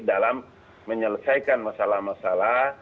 dalam menyelesaikan masalah masalah